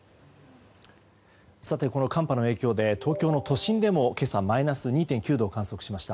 この寒波の影響で東京の都心でも今朝、マイナス２．９度を観測しました。